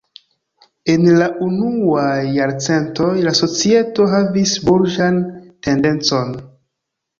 En la unuaj jarcentoj la societo havis burĝan tendencon.